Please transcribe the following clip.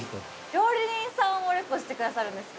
料理人さんをレコしてくださるんですか？